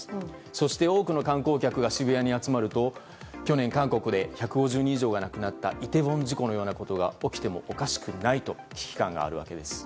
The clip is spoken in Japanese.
そして、多くの観光客が渋谷に集まると、去年、韓国で１５０人以上が亡くなったイテウォン事故のようなことが起きてもおかしくないと、危機感があるわけです。